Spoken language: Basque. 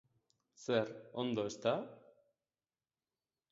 Zer ondo, ezta?